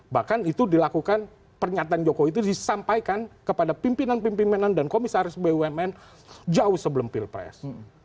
bahkan itu dilakukan pernyataan jokowi itu disampaikan kepada pimpinan pimpinanan dan komisaris bumn jauh sebelum pilpres